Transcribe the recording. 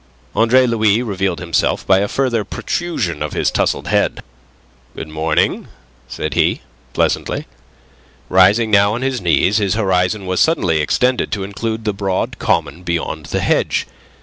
Andre Louis revealed himself by a further protrusion of his tousled head. "Good morning," said he, pleasantly. Rising now on his knees, his horizon was suddenly extended to include the broad common beyond the hedge.